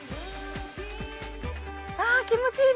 あ気持ちいい！